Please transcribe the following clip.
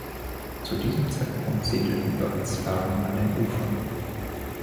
Zu diesem Zeitpunkt siedelten bereits Slawen an den Ufern.